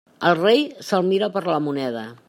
Al rei, se'l mira per la moneda.